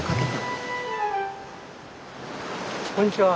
こんにちは。